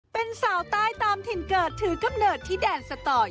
เป็นสาวใต้ตามถิ่นเกิดถือกำเนิดที่แดนสตอย